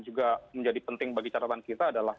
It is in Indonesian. juga menjadi penting bagi catatan kita adalah